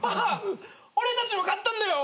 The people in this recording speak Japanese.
俺たちも買ったんだよ。